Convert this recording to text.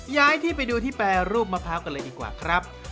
ย้ายที่ไปดูที่แปรรูปมะพร้าวกันเลยดีกว่าครับ